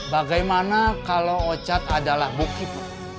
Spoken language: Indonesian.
bagaimana kalau ocat adalah bukit